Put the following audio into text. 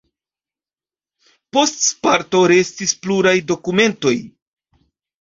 Post Sparto restis pluraj dokumentoj.